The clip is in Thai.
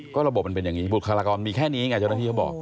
ก็ระบบมันเป็นอย่างนี้บุคลากรมีแค่นี้ไงเจ้าหน้าที่เขาบอก